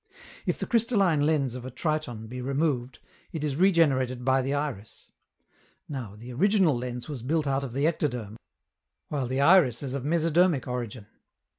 If the crystalline lens of a Triton be removed, it is regenerated by the iris. Now, the original lens was built out of the ectoderm, while the iris is of mesodermic origin.